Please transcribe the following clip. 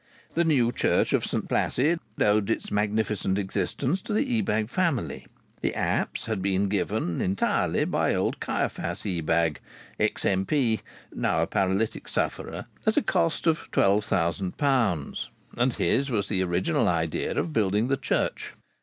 The new church of St Placid owed its magnificent existence to the Ebag family. The apse had been given entirely by old Caiaphas Ebag (ex M.P., now a paralytic sufferer) at a cost of twelve thousand pounds; and his was the original idea of building the church.